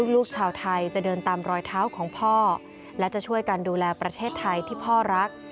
ลูกชาวไทยจะเดินตามรอยเท้าของพ่อและจะช่วยกันดูแลประเทศไทยที่พ่อรัก